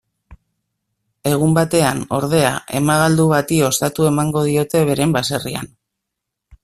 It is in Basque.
Egun batean, ordea, emagaldu bati ostatu emango diote beren baserrian.